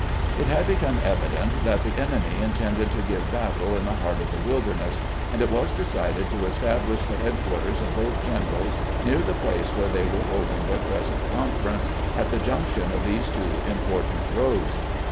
It had become evident that the enemy intended to give battle in the heart of the WUderness, and it was decided to establish the headquarters of both generals near the place where they were holding their present conference, at the junction of these two important roads.